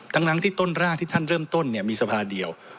ตั้งนั้นที่ต้นร่างที่ท่านเริ่มต้นมีทรัพย์เดี่ยว